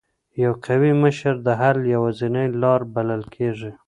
یو قوي مشر د حل یوازینۍ لار بلل کېږي.